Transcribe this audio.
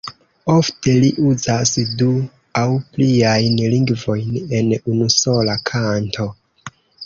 Ofte li uzas du aŭ pliajn lingvojn en unusola kanto.